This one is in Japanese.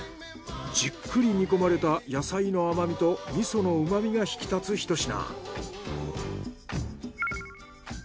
じっくり煮込まれた野菜の甘みと味噌の旨みが引き立つひと品。